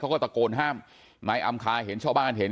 เขาก็ตะโกนห้ามนายอำคาเห็นชาวบ้านเห็น